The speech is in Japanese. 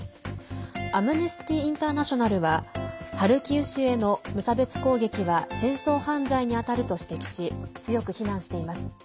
アムネスティ・インターナショナルはハルキウ市への無差別攻撃は戦争犯罪に当たると指摘し強く非難しています。